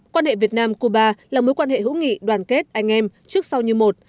quan hệ việt nam cuba là mối quan hệ hữu nghị đoàn kết anh em trước sau như một